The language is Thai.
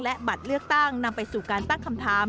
และบัตรเลือกตั้งนำไปสู่การตั้งคำถาม